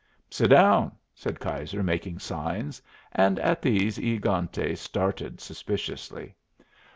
"Sit down!" said Keyser, making signs, and at these E egante started suspiciously.